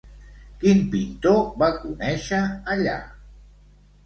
Quin pintor va conèixer allà?